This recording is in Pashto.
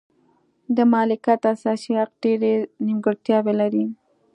د مالکیت اساسي حق ډېرې نیمګړتیاوې لري.